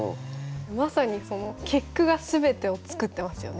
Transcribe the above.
まさにその結句が全てを作ってますよね。